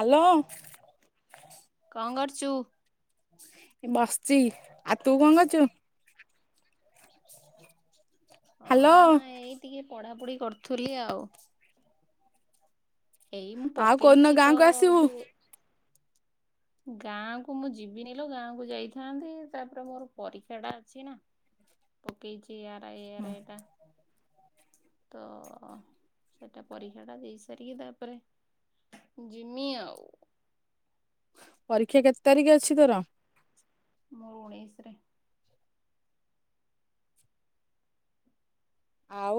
Hello. କଣ କରୁଛୁ। ଏ ବସିଛି ଆଉ ତୁ କଣ କରୁଛୁ? ହାଲୋ ହଁ ଏଇ ଟିକେ ପଢାପଢି କରୁଥିଲି ଆଉ। ଏଇ ମୁଁ ଆଉ କୋଉଦିନ ପକେଇଛି ତ ଗାଁକୁ ଆସିବୁ ଯୋଉ ଗାଁ କୁ ମୁଁ ଯିବିନି ଲୋ। ଗାଁକୁୁ ଯାଇଥାନ୍ତି, ତାପରେ ମୋର ପରୀକ୍ଷା ଟା ଅଛି ନା। ହଁ। ପକେଇଛି ଆର ଆଇ ଏଆରାଇ ଟା। ତ ଗୋଟା ପରୀକ୍ଷାଟା ଦେଇ ସାରିକି ତାପରେ ଜିମି ଆଉ। ପରୀକ୍ଷା କେତେ ତାରିଖ ଅଛି ତୋର। ମୋର ଉଣେଇଶରେ। ଆଉ।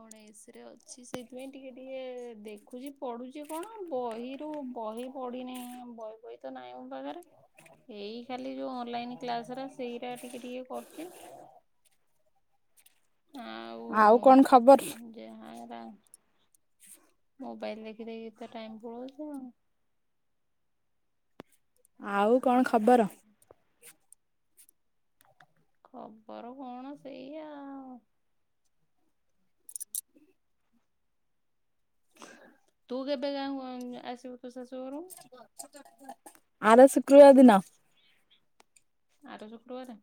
ଉଣେଇ ଶିରେ ଅଛି। ସେଥିପାଇଁ ଟିକେ ଟିକେ ଦେଖୁଛି। ପଢୁଛି କଣ, ବହିରୁ ବହି ପଢିନିଁ ବହି ଫହି ତ ନାଇଁ ମୋ ପାଖରେ। ଏଇ ଖାଲି ଯୋଉ ଅନଲାଇନ୍ କ୍ଲାସରା ସେଇଟା ଟିକେ ଟିକେ କରୁଚି। [unintelligible] ଆଉ କଣ ଖବର? [unintelligible] ମୋବାଇଲ ଦେଖି ଦେଖି ତ ଟାଇମ୍ ପଳଉଛି ଆଉ। ଆଉ ତାପରେ କଣ ଯାହା ଖବର? କାମ ଖବର କଣ ସେଇ ଆଉ। ତୁ କେବେ ଗାଁକୁ ଆଇଁ -ଆସିବୁ ତୋ ଶାଶୁଘରୁ। ଆର ଶୁକ୍ରବାର ଦିନ ଆର ଶୁକକ୍ରବାରେ।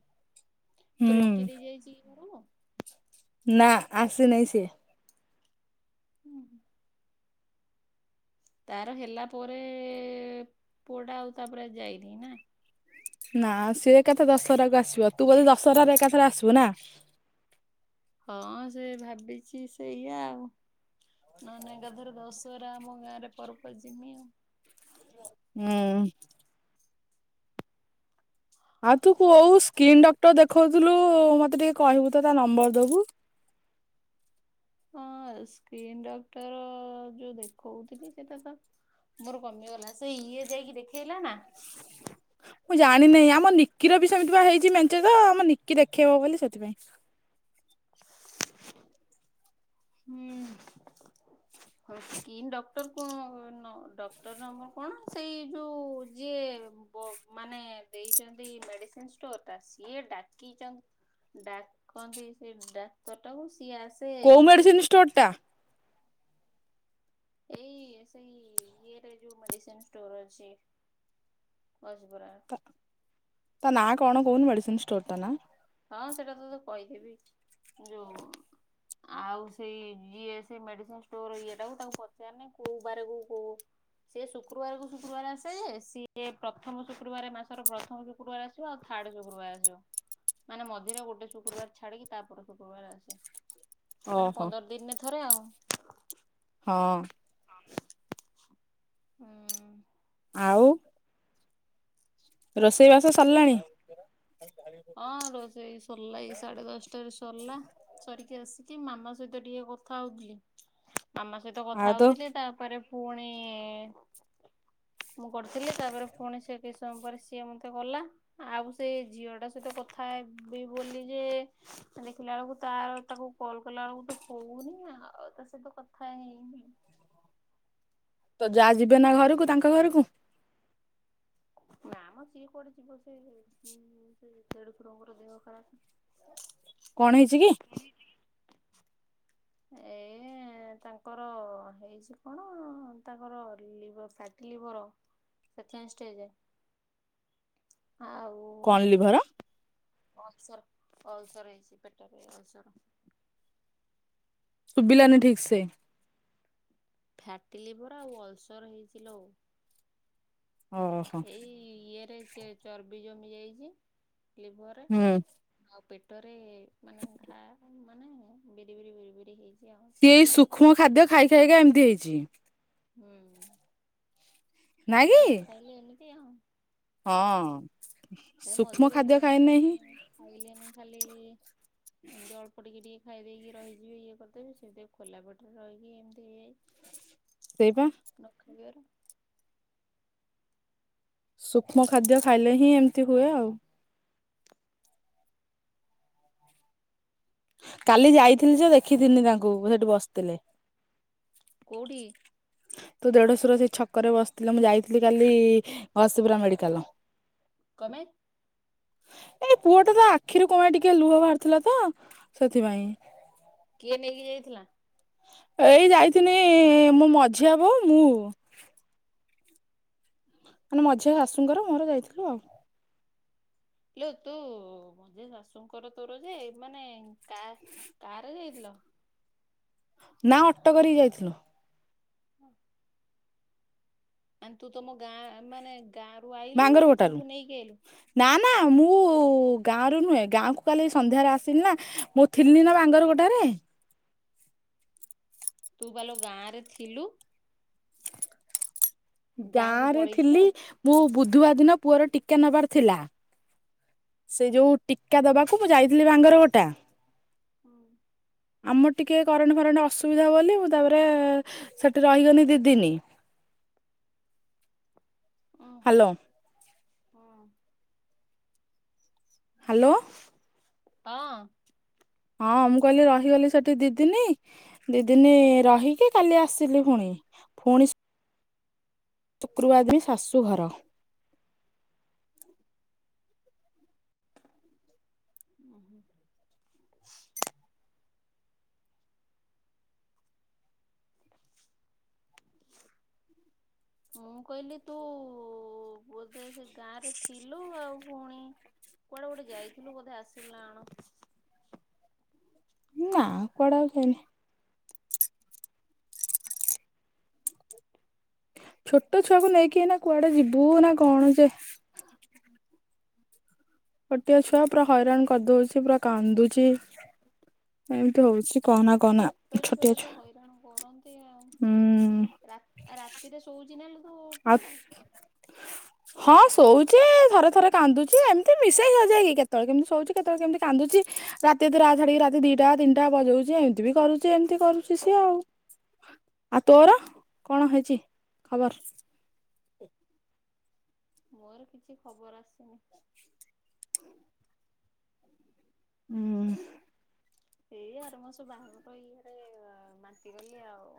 ହୁଁ ତୋ ଲକି ଦେଇ ଯାଇଛି। ଘରକୁ? ନା ଆସି ନାଇଁ ସେ। ଉଁ ହୁଁ। ତାର ହେଲା ପରେ ପୁଅଟା ଆଉ ତାପରେ ଯାଇନି ନା। ନା ସିଏ ଏକାଥେ ଦଶହରାକୁ ଆସିବ। ତୁ ବି ଦଶହରାରେ ଏକାଥରେ ଆସିବୁ ନା। ହଁ ସେ ଭାବିଛି ସେଇଆ ଆଉ। ନ ନାଇଁ ଏକାଥରେ ଦଶହରା ଆମ ଗାଁରେ ପର୍ବ ଯିମି। ହୁଁ। ହ। ଆଉ ତୁ କୋଉ ସ୍କିନ୍ ଡକ୍ଟର୍ ଦେଖଉଥିଲୁ ମତେ ଟିକେ କହିବୁ ତ ତା ନମ୍ବର ଦବୁ। ହଁ ସ୍କିନ୍ ଡକ୍ଟର ଯୋଉ ଦେଖଉଥିଲି ସେଟା ତ ମୋର କମିଗଲା। ସେ ଇଏ ଯାଇକି ଦେଖେଇଲା ନା। ମୁଁ ଜାଣିିନି। ଆମ ନିକିର ବି ସେମିତି ବା ହେଇଛି ମେଞ୍ଚେ ତ ଆମ ନିକି ଦେଖେଇବ ବୋଲି ସେଥିପାଇଁ। ହଉ ସ୍କିନ୍ ଡକ୍ଟର କଣ, ଡକ୍ଟର ନମ୍ବର କଣ ସେଇ ଯୋଉ ଯିଏ ମାନେ ଦେଇଚନ୍ତି ମେଡିସିନ୍ ଷ୍ଟୋର ଟା। ସିଏ ଡାକିଚ ଡାକନ୍ତି ସେ ଡାକ୍ତର ଟାକୁ। ସିଏ ଆସ କୋଉ ମେଡିସିନ୍ ଷ୍ଟୋର ଟା। ଏଇ ସେଇ ଇଏରେ ଯୋଉ ମେଡିସିନ ଷ୍ଟୋର ଅଛି, ଗଜପୁରା। ତା ନାଁ କଣ କହୁନୁ ମେଡିସିନ ଷ୍ଟୋର ଟା ନାଁ? ହଁ ସେଇଟା ତ ତତେ କହିଥିବି। ଯୋଉ ଆଉ ସେଇ ଯିଏ ସେ ମେଡିିସିନ ଷ୍ଟୋର ଇଏଟାକୁ ତାଙ୍କୁ ପଚାରିନି କୋଉ ବାରକୁ କୋଉ ସିଏ ଶୁକ୍ରବାରକୁ ଶୁକ୍ରବାର ଆସେ ସିଏ ପ୍ରଥମ ଶୁକ୍ରବାରେ ମାସର ପ୍ରଥମ ଶୁକ୍ରବାର ଆସ ଆସିବ ଆଉ ଥାର୍ଡ ଶୁକ୍ରବାର ଆସିବ। ମାନେ ମଝିରେ ଗୋଟେ ଶୁକ୍ରବାର ଛାଡିକି ତାପରେ ଶୁକ୍ରବାର ଆସେ। ମାନେ ଓହୋ ପନ୍ଦର ଦିନରେ ଥରେ ଆଉ। ହଁ। ହୁଁ। ଆଉ ରୋଷେଇ ବାସ ସରିଲାଣି? ହଁ ରୋଷେଇ ସରିଲା ଏଇ ସାଢେ ଦଶଟାରେ ସରିଲା। ସାରିକି ଆସିକି ମାମା ସହିତ ଟିକେ କଥା ହଉଥିଲି। ମାମା ସହିତ କଥା ଆଉ ତ ହଉଥିଲି ତାପରେ ପୁଣି ମୁଁ କରିଥିଲି ତାପରେ ପୁଣି ସେ କିିସି ସମୟ ପରେ ସିଏ ମତେ କଲା। ଆଉ ସେ ଝିଅ ଟା ମୁଁ ତ କଥା ହେବି ବୋଲି ଯେ ଦେଖିଲା ବେଳକୁ ତା ପାଖକୁ କଲ୍ କଲାବେଳ କୁ ହଉନି ଆଉ ତା ସହିତ କଥା ହେଇନି। ତୋ ଯା ଯିବେ ନା ଘରୁକୁ ତାଙ୍କ ଘରୁକୁ। ନା ମ ସିଏ କୁଆଡେ ଯିବ ସେ ଉଁ ସେ ଦେଢଶୁରଙ୍କର ଦେହ ଖରାପେ। କଣ ହେଇଚି କି? ଏ ହେ ତାଙ୍କର ହେଇଚି କଣ ତାଙ୍କର ଲିଭ ଫ୍ୟାଟି ଲିଭର୍। Second stage. ଆଉ କଣ ଲିଭର? ଅସର ଅଲ୍ସର ହେଇଚି ପେଟରେ ଅଲ୍ସର। ଶୁବିଲାନି ଠିକ୍ ସେ। ଫ୍ୟାଟି ଲିଭର ଆଉ ଅଲ୍ସର ହେଇଚି ଲୋ। ଓହୋ ଏଇ ଇଏରେ ଚେ ଚର୍ବି ଜମି ଯାଇଚି ଲିଭରରେ। ହୁଁ ଆଉ ପେଟରେ ମାନେ ଘା ମାନେ ବିରି ବିରି ବିରି ବିରି ହେଇଚି ଆଉ। ଏଇ ସୂକ୍ଷ୍ମ ଖାଦ୍ୟ ଖାଇ ଖାଇ କା ଏମିତି ହେଇଚି। ହୁଁ ନାଇଁ ଖାଇବା କି ନ ଖାଇଲେ ଏମିତି ଆଉ। ହଁ ଏ ସୂକ୍ଷ୍ମ ମଝିରେ କେ ଖାଦ୍ୟ ଖାଇନେ ହିଁ ମାନେ ଖାଇଲେନି ଖାଲି ଏମିତି ଅଳ୍ପ ଟିକେ ଟିକେ ଖାଇ ଦେଇକି ରହିଯିବେ ଇଏ କରିଦେବି ସେମିତି ଖୋଲା ପେଟରେ ରହିକି ଏମିତି ହେଇଯାଇ ସେଇ ପା। ନ ଖାଇବାରୁ ସୂକ୍ଷ୍ମ ଖାଦ୍ୟ ଖାଇଲେ ହିଁ ଏମିତି ହୁଏ ଆଉ। କାଲି ଯାଇଥିଲି ଯେ ଦେଖିଥିନି ତାଙ୍କୁ ସେଠି ବସିଥିଲେ। କୋଉଠି? ତୋ ଦେଢଶୁର ସେଇ ଛକରେ ବସିଥିଲ ମୁଁ ଯାଇଥିଲି କାଲି ଅସିପୁରା ମେଡିକାଲ। କଁ ମାଇଁ ଏ ପୁଅ ଟାର ତ ଆଖିରୁ କଣ ପାଇଁ ଟିକେ ଲୁହ ବାହାରୁଥିଲା ତ ସେଥିପାଇଁ। କିଏ ନେଇକି ଯାଇଥିଲା? ଏଇ ଯାଇଥିନି ମୋ ମଝିଆ ବୋଉ ମୁଁ। ମାନେ ମଝିଆ ଶାଶୁଙ୍କର ମୋର ଯାଇଥିଲୁ ଆଉ। କିଲେ ତୁ ମଝିଆ ଶାଶୁଙ୍କର ତୋର ଯେ ମାନେ କା କାରେ ଯାଇଥିଲ? ନା ଅଟୋ କରିକି ଯାଇଥିଲୁ। ହଁ। ଆ ତୁ ତମ ଗାଁ ମାନେ ଗାଁରୁ ଆ ମାଙ୍ଗର ଗୋଟାରୁ। ନା ନା ମୁଁ ଗାଁରୁ ନୁହେଁ ଗାଁ ଖାଲି କାଲି ସନ୍ଧ୍ୟାରେ ଆସିିଲିନା ମୋ ଥିଲନିନା ବାଙ୍ଗର ଗୋଟାରେ ତୁପାଲ ଗାଁରେ ଥିଲୁ। ଗାଁକୁ ଗାଁରେ ପଳେଇଥିଲୁ ଥିଲି ମୁଁ ବୁଧବାର ଦିନ ପୁଅର ଟି ଟିକା ନବାର ଥିଲା ସେଯୋଉ ଟୀକା ଦବାକୁ ମୁଁ ଯାଇଥିଲି ବାଙ୍ଗର ଗୋଟା ହୁଁ। ଆମର ଟିକେ କରରେଣ୍ଟ ଫରେଣ୍ଟ ଅସୁବିଧା ବୋଲି ମୁଁ ତାପରେ ସେଠି ରହିଗନି ଦିଦିନି ଓହୋ ହଁ। ହାଲୋ। ହଁ। ହଁ ମୁଁ କହିଲି ରହିଗଲି ସେଠି ଦିଦିନୀ ଦି ଦିନି ରହିକି କାଲି ଆସିଲି ଫୁଣି ଫୁଣି ଶୁକ୍ରବାର ଯିମି ଶାଶୁ ଘର ଓହୋ। [inaudible] [inaudible] ମୁଁ କହିଲି ତୁବୋଧେ ସେ ଗାଁରେ ଥିଲୁ ଆଉ ଫୁଣି କୁଆଡ଼େ ଗୋଟେ ଯାଇଥିଲୁ ବୋଧେ ଆସିଲୁନା କଣ? ନା କୁଆଡ଼େ ଆଉ ଯାଇନି। ଛୋଟ ଛୁଆକୁ ନେଇକି ଏଇନା କୁଆଡ଼େ ଯିବୁନା କଣ ଯେ ଛୋଟିଏ ଛୁଆ ପୁରା ହଇରାଣ କରିଦଉଚି ପୁରା କାନ୍ଦୁଚି ଏମିତି ହଉଚି ଆ ଛୋଟ ଛୁଆତ ହଇରାଣ କରନ୍ତି ଆଉ। ହୁଁ ରାତି ରାତିରେ ଶୋଉଚି ନହେଲେତୁ [inaudible] ହଁ ଶୋଉଚି ଥରେ ଥରେ କାନ୍ଦୁଚି ଏମିତି ମିଶେଇକି ସଜେଇକି କେତେବେଳେ କେମିତି ଶୋଉଚି କେତେବେଳେ କେମିତି କାନ୍ଦୁଚି ରାତିଅଧରେ ରାଛାଡ଼ିକି ରାତି ଦିଟା ତିନିଟା ବଜଉଚି ଏମତିବି କରୁଚି ଏମିତି କରୁଚି ସିଏ ଆଉ। ଆଉ ତୋର କଣ ହେଇଚି ଖବର? ମୋର କିଛି ଖବର ଆସିନି। ହୁଁ। ଏଇ ଆର ମାସ ବାହାଘର ଇଆଡ଼େ ବାନ୍ତି କଲି ଆଉ।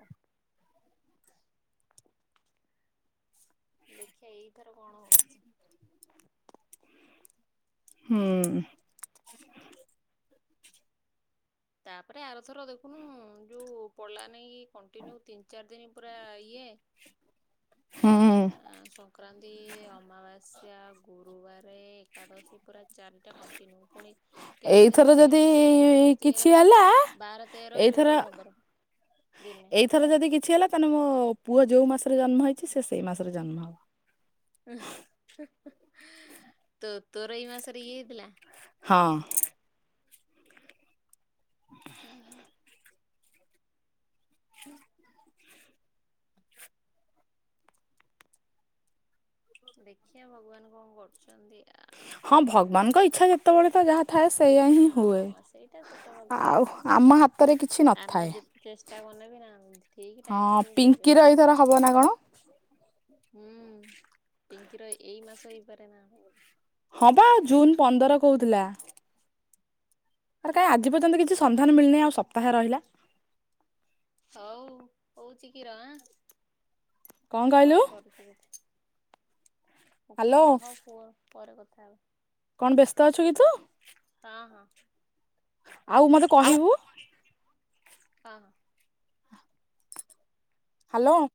ଦେଖିଆ ଏଇ ଥର କଣ ହଉଚି। ହୁଁ। ତାପରେ ଆରଥର ଦେଖୁନୁ ଯୋଉ ପଳିଲା ନେଇକି କଣ୍ଟିନ୍ୟୁ ତିନି ଚାରି ଦିନି ପୁରା ଇଏ ହୁଁ ଆ ସଂକ୍ରାନ୍ତି ଅମାବାସ୍ ଗୁରୁବାର ଏକାଦଶୀ ପୁରା ଚାରିଟା କଣ୍ଟିନ୍ୟୁ ପୁଣି କେତେ ଏଇଥର ଦିନରେ ଯଦି କିଇଲୁ ସେଠିକି କିଛି ତେର ହେଲା ବାର ତେର ଚଉଦ ପନ୍ଦର ଦିନେ ଥରେ ହେଲା ଯଦି କିଛି ହେଲା ତାହେଲେ ମୋ ପୁଅ ଯେଉଁ ମାସରେ ଜନ୍ମ ହୋଇଛି ସେ ସେଇ ମାସରେ ଜନ୍ମ ହେବ। ଉ ତୋ ତୋର ଏଇ ମାସରେ ଇଏ ହେଇଥିଲା? ହଁ। ଓହୋ। ହ ଦେଖିଆ ଭଗବାନ କଣ କରୁଚନ୍ତି ଆ ହଁ ଭଗବାନଙ୍କ ଇଚ୍ଛା ଯେତେବେଳେ ତ ଯାହା ଥାଏ‌ ସେଇୟା ହିଁ ହୁଏ ହଁ ସେଇଟା ସତ କଥା ଆଉ ଆମ ହାତରେ କିଛି ଆମେ ନଥାଏ। ଯେତେ ଚେଷ୍ଟା କଲେ ବି ନା ଠିକ ଟାଇମରେ ହଁ ତତେ ଦେବେ ପିଙ୍କିର ଏଇଥର ହବ ନା କଣ? ହୁଁ ପିଙ୍କିର ଏଇ ମାସ ହେଇପାରେ ନା [unintelligible] ହଁ ପା ଜୁନ୍ ପନ୍ଦର କହୁଥିଲା। ତାର କାଇଁ ଆଜି ପର୍ଯ୍ୟନ୍ତ କିଛି ସନ୍ଧାନ ମିଳିନି ଆଉ ସପ୍ତାହେ ରହିଲା। ହଉ ହଉ ଚିକି ର। କଣ ମୁଁ କହିଲୁ ପରେ କରୁଛି ତତେ। ମୁଁ କହିନି ହ୍ୟାଲୋ ରହ ପୁଅ ପରେ କଥା ହେବା। କଣ ବ୍ୟସ୍ତ ଅଛୁ କି ତୁ? ହଁ ହଁ। ଆଉ ମତେ କହିବୁ? ହଁ। ହ୍ୟାଲୋ?